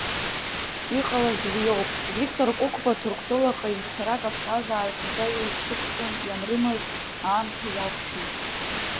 Иҟалаз уиоуп, Виктор Кәыкәба Ҭырқәтәылаҟа ицара кавказаа зынӡа илаԥшықәҵан ианрымаз аамҭа иақәшәеит.